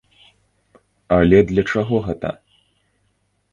Але для чаго гэта?